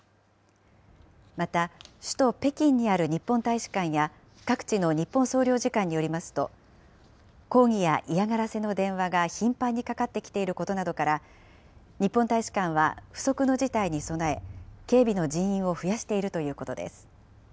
また、首都北京にある日本大使館や、各地の日本総領事館によりますと、抗議や嫌がらせの電話が頻繁にかかってきていることなどから、日本大使館は不測の事態に備え、警備の人員を増やしているということです。